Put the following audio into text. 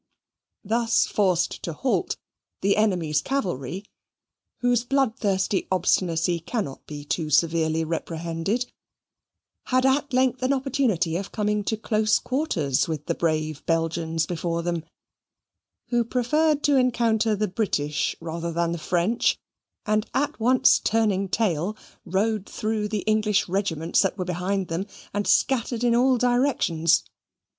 Thus forced to halt, the enemy's cavalry (whose bloodthirsty obstinacy cannot be too severely reprehended) had at length an opportunity of coming to close quarters with the brave Belgians before them; who preferred to encounter the British rather than the French, and at once turning tail rode through the English regiments that were behind them, and scattered in all directions.